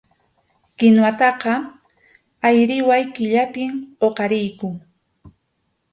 Kinwataqa ayriway killapim huqariyku.